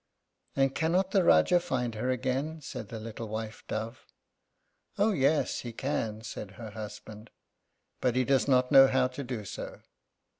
"And cannot the Rájá find her again?" said the little wife dove. "Oh, yes, he can," said her husband, "but he does not know how to do so."